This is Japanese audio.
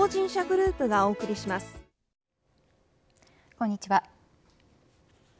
こんにちは。